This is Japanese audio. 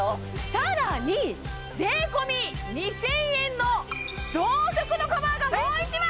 さらに税込２０００円の同色のカバーがもう一枚！